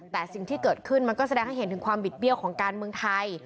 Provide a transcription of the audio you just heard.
แต่สิ่งที่เกิดขึ้นมันก็แสดงให้เห็นถึงความบิดเบี้ยวของการเมืองไทย